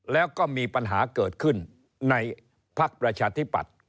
แล้วก็มีปัญหาเกิดขึ้นในภักดิ์ประชาธิปัตย์